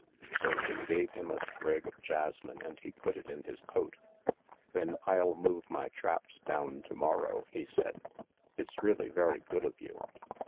So she gave him a sprig of jasmine and he put it in his coat. "Then I'll move my traps down to morrow," he said. " It's really very good of you."